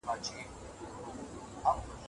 د خدای په برکت کارونه اسانه کیږي.